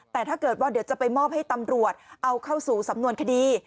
แต่ถ้าเกิดว่าเดี๋ยวจะไปมอบให้ตำรวจเอาเข้าสู่สำนวนคดี